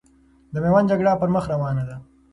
د میوند جګړه پرمخ روانه ده.